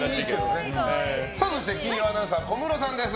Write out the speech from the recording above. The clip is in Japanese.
そして、金曜アナウンサー小室さんです。